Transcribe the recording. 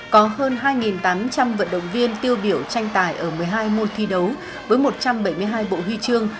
có hơn hai tám trăm linh vận động viên tiêu biểu tranh tài ở một mươi hai môn thi đấu với một trăm bảy mươi hai bộ huy chương